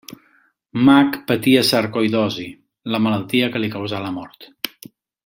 Mac patia sarcoïdosi, la malaltia que li causà la mort.